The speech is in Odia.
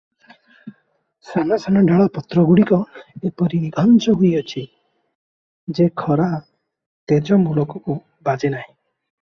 ସାନ ସାନ ଡାଳ ପତ୍ରଗୁଡିକ ଏପରି ନିଘଞ୍ଚ ହୋଇଅଛି ଯେ, ଖରା ତେଜ ମୂଳକୁ ବାଜେ ନାହିଁ ।